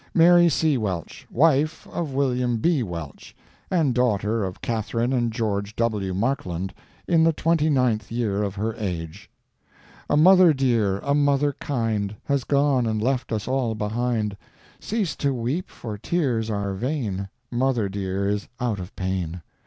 Mary C. Welch, wife of William B. Welch, and daughter of Catharine and George W. Markland, in the 29th year of her age. A mother dear, a mother kind, Has gone and left us all behind. Cease to weep, for tears are vain, Mother dear is out of pain.